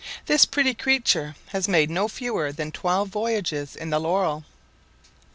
This pretty creature has made no fewer than twelve voyages in the Laurel.